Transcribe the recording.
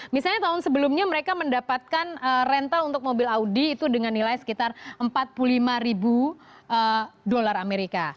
misalnya tahun sebelumnya mereka mendapatkan rental untuk mobil audi itu dengan nilai sekitar empat puluh lima ribu dolar amerika